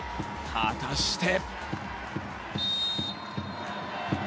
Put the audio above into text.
果たして。